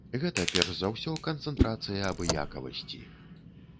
Гэта перш за ўсё канцэнтрацыя абыякавасці.